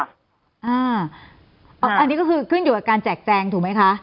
อันนี้ก็คือขึ้นอยู่กับการแจกแจงถูกไหมคะ